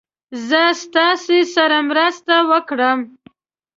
زه ستاسې سره مرسته وکړم.